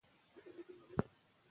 د بدن بوی د وینې جریان ته تړاو لري.